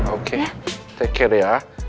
oke jaga diri ya